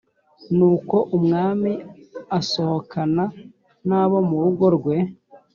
nuko umwami asohokana n abo mu rugo rwe